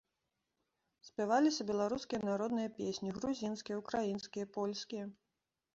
Спяваліся беларускія народныя песні, грузінскія, украінскія, польскія.